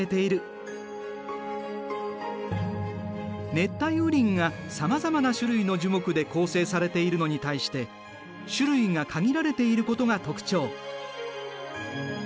熱帯雨林がさまざまな種類の樹木で構成されているのに対して種類が限られていることが特徴。